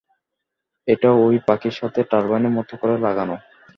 এটা ওই পাখার সাথে টারবাইনের মতো করে লাগানো।